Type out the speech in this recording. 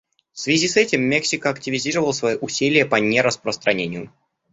В связи с этим Мексика активизировала свои усилия по нераспространению.